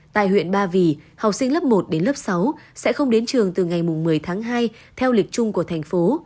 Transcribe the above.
tại huyện ba vì học sinh lớp một đến lớp sáu sẽ không đến trường từ ngày một mươi tháng hai theo lịch chung của thành phố